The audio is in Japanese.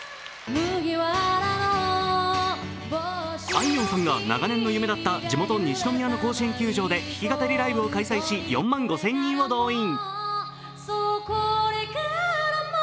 あいみょんさんが長年の夢だった地元・西宮の甲子園球場で弾き語りライブを開催し、４万５０００人を動員。